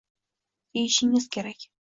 Deyishingiz kerak